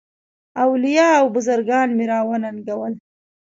اولیاء او بزرګان مي را وننګول.